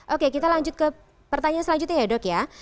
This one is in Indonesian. oke kita lanjut ke pertanyaan selanjutnya ya dok ya